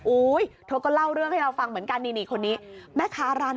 โอ๊ยโทรก็เล่าเรื่องให้เราฟังเหมือนกัน